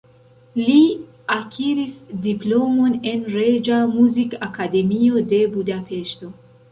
Li akiris diplomon en Reĝa Muzikakademio de Budapeŝto.